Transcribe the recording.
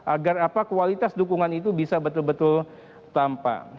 agar apa kualitas dukungan itu bisa betul betul tampang